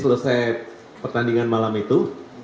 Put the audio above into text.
setelah saya pertandingan malam itu